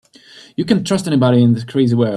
You can't trust anybody in this crazy world.